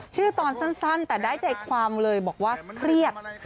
ตอนสั้นแต่ได้ใจความเลยบอกว่าเครียด